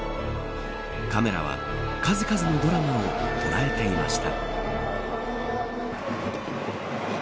カメラは数々のドラマを捉えていました。